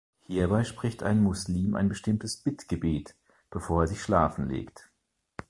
Hierbei spricht ein Muslim ein bestimmtes Bittgebet, bevor er sich schlafen legt.